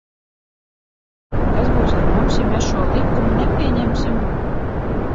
Kas būs ar mums, ja mēs šodien šo likumu nepieņemsim?